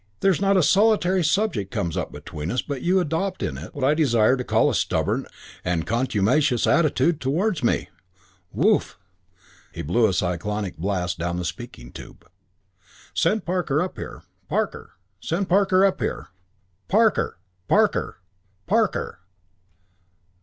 There's not a solitary subject comes up between us but you adopt in it what I desire to call a stubborn and contumacious attitude towards me. Whoof!" He blew a cyclonic blast down the speaking tube. "Send Parker up here. Parker! Send Parker up here! Parker! _Parker! Parker!